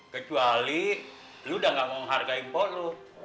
kecuali lo udah gak ngomong harga impor lo